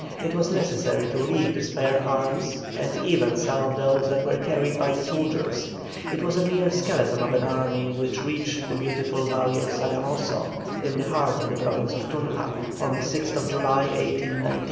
It was necessary to leave the spare arms, and even some of those that were carried by the soldiers. It was a mere skeleton of an army which reached the beautiful valley of Sagamoso, in the heart of the Province of Tunja, on the 6th July, 1819.